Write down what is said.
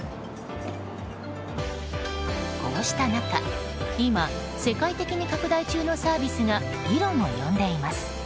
こうした中今、世界的に拡大中のサービスが議論を呼んでいます。